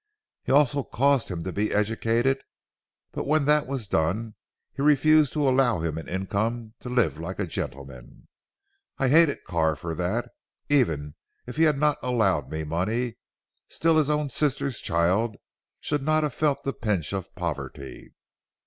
He also caused him to be educated, but when that was done, he refused to 'allow him an income to live like a gentleman. I hated Carr for that. Even if he had not allowed me money, still his own sister's child should not have felt the pinch of poverty.